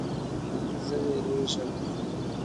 زه ویریږم